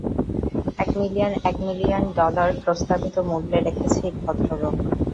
এক মিলিয়ন এক million dollar প্রস্তাবিত মুল্যে রেখেছেন এই ভদ্রলোক।